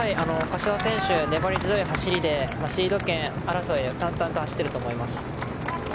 柏選手、粘り強い走りでシード権争い淡々と走っていると思います。